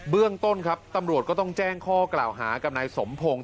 เรื่องต้นครับตำรวจก็ต้องแจ้งข้อกล่าวหากับนายสมพงศ์